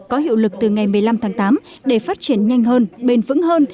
có hiệu lực từ ngày một mươi năm tháng tám để phát triển nhanh hơn bền vững hơn